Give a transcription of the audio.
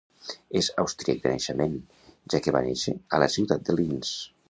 És austríac de naixement, ja que va néixer a la ciutat de Linz.